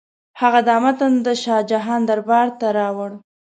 هغه دا متن د شاه جهان دربار ته راوړ.